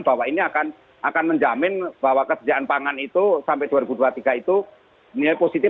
bahwa ini akan menjamin bahwa kesejahan pangan itu sampai dua ribu dua puluh tiga itu nilai positif